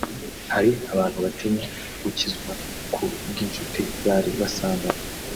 hari abantu batinya gukizwa ku bw’incuti bari basanganywe